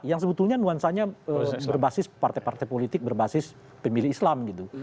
yang sebetulnya nuansanya berbasis partai partai politik berbasis pemilih islam gitu